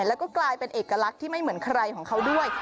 แล้วก็กลายเป็นเอกลักษณ์ที่ไม่เหมือนใครของเขาด้วย